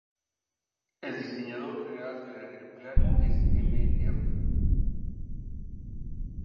El diseñador general del aeroplano es Mr.